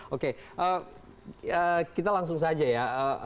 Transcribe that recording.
oke kita langsung saja ya